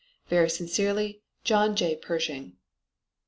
Very sincerely, JOHN J. PERSHING.